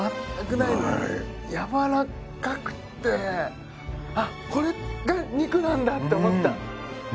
ないやわらかくって「あっこれが肉なんだ」って思ったうん！